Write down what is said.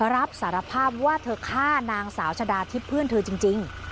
รับสารภาพว่าเธอฆ่านางสาวชะดาทิพย์เพื่อนเธอจริง